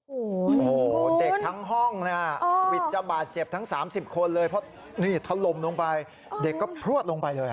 โอ้โหเด็กทั้งห้องนะฮะวิทย์จะบาดเจ็บทั้ง๓๐คนเลยเพราะนี่ถล่มลงไปเด็กก็พลวดลงไปเลย